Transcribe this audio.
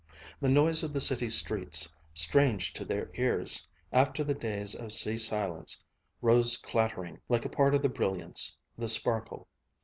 The noise of the city streets, strange to their ears after the days of sea silence, rose clattering, like a part of the brilliance, the sparkle.